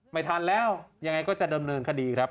ไม่ทันแล้วยังไงก็จะดำเนินคดีครับ